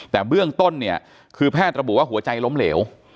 แต่เบื้องต้นเนี่ยคือแพทย์ระบุว่าหัวใจล้มเหลว